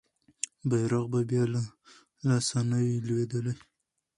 بیرغ به بیا له لاسه نه وي لویدلی.